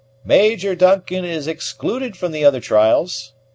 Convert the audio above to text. "Major Duncan is excluded from the other trials!"